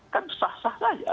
kan sah sah saja